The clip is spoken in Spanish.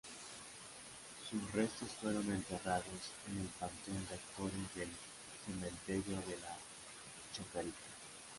Sus restos fueron enterrados en el Panteón de Actores del Cementerio de la Chacarita.